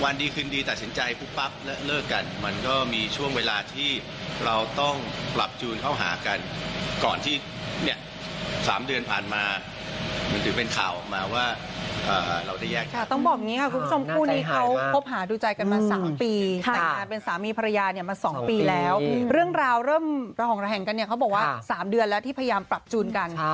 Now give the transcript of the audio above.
วันดีขึ้นดีตัดสินใจปุ๊บปั๊บและเลิกกันมันก็มีช่วงเวลาที่เราต้องปรับจูนเข้าหากันก่อนที่เนี่ยสามเดือนผ่านมาหรือเป็นข่าวออกมาว่าเราจะแยกจากต้องบอกอย่างงี้ครับคุณผู้ชมคู่นี้เขาพบหาดูใจกันมาสามปีแต่งงานเป็นสามีภรรยาเนี่ยมาสองปีแล้วเรื่องราวเริ่มระห่องระแห่งกันเนี่ยเขาบอกว่าสามเดือน